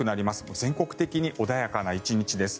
全国的に穏やかな１日です。